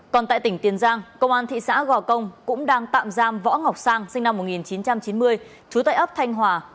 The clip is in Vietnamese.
còn tại tỉnh tiền giang công an thị xã gò công cũng đang tạm giam võ ngọc sang sinh năm một nghìn chín trăm chín mươi chú tại ấp thanh hòa